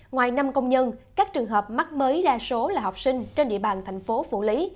ngoài năm công nhân các trường hợp mắc mới đa số là học sinh trên địa bàn thành phố phủ lý